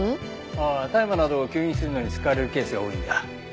ああ大麻などを吸引するのに使われるケースが多いんだ。